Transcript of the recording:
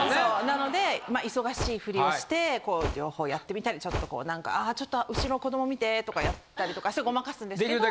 なので忙しいフリをしてこう両方やってみたりちょっとこう何か「ちょっと後ろ子ども見て」とかやったりとかして誤魔化すんですけど。